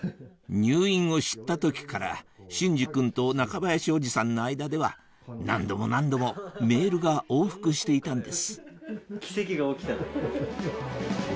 入院を知った時から隼司君と中林おじさんの間では何度も何度もメールが往復していたんです奇跡が起きた。